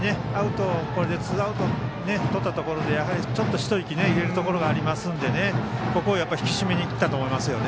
これでツーアウトをとってちょっと一息入れるところがあるんでここを引き締めにいったと思いますね。